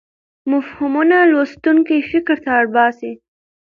مفهومونه لوستونکی فکر ته اړ باسي.